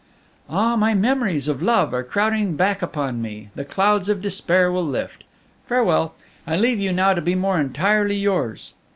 "Ah, my memories of love are crowding back upon me, the clouds of despair will lift. Farewell. I leave you now to be more entirely yours.